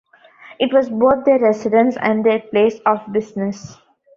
It was both their residence and their place of business.